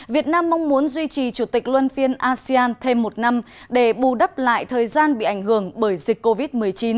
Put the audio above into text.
việt nam mong muốn duy trì chủ tịch luân phiên asean thêm một năm để bù đắp lại thời gian bị ảnh hưởng bởi dịch covid một mươi chín